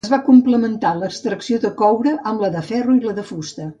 Es va complementar l'extracció de coure amb la de ferro i la de fusta.